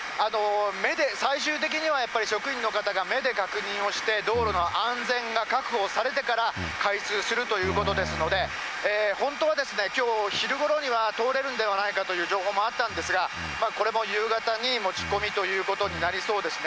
目で最終的にはやっぱり職員の方が、目で確認をして、道路の安全が確保されてから、開通するということですので、本当は、きょう昼ごろには通れるんではないかという情報もあったんですが、これも夕方にもちこみということになりそうですね。